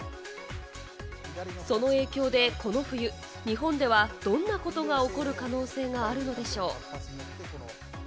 その影響でこの冬、日本ではどんなことが起こる可能性があるのでしょう？